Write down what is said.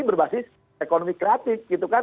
berbasis ekonomi kreatif gitu kan